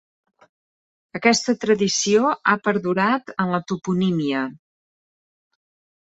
Aquesta tradició ha perdurat en la toponímia.